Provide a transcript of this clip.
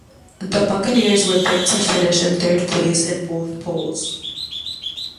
The Buccaneers were picked to finish in third place in both polls.